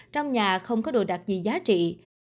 trong nhà không có đồ đặc gì giá trị